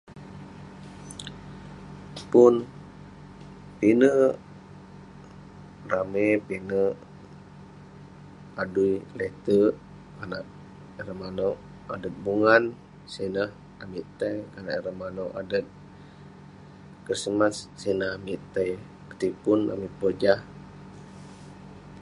pun...pinek ramey, pinek adui, le'terk, konak ireh manouk adet bungan, sineh amik tai..konak ireh manouk adet krismas, sineh amik tai, petipun, amik pojah